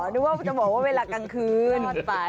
นึกว่าจะบอกว่าเวลากลางคืน